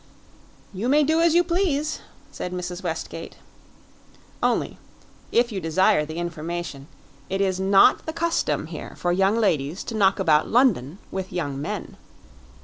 "You may do as you please," said Mrs. Westgate. "Only if you desire the information it is not the custom here for young ladies to knock about London with young men."